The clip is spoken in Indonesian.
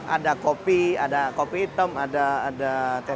ada kopi ada kopi hitam ada